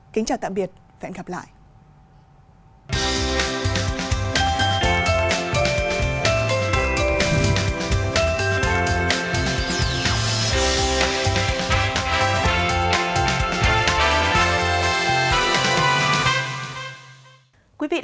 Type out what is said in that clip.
kính chào tạm biệt hẹn gặp lại